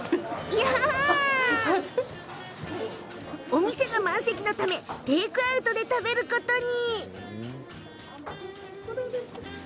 お店が満席のためテイクアウトで食べることに。